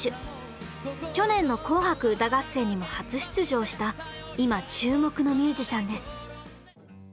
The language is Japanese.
去年の「紅白歌合戦」にも初出場した今注目のミュージシャンです。